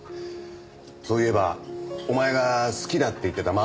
そういえばお前が好きだって言ってた漫画家。